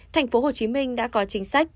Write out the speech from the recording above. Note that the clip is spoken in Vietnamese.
thành phố hồ chí minh đã có chính sách